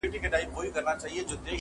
نه به ډزي وي، نه لاس د چا په وینو!.